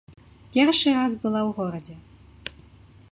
Першы раз была ў горадзе.